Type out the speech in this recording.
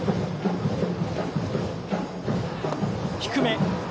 低め。